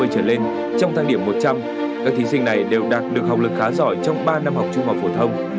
trở lên trong thang điểm một trăm linh các thí sinh này đều đạt được học lực khá giỏi trong ba năm học trung học phổ thông